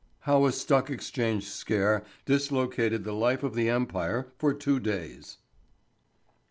How a Stock Exchange Scare Dislocated the Life of the Empire for Two Days.